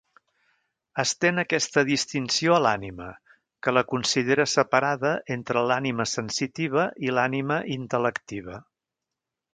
Estén aquesta distinció a l'ànima, que la considera separada entre l'ànima sensitiva i l'ànima intel·lectiva.